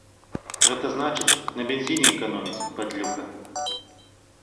Гэта значыць, на бензіне эканоміць, падлюка!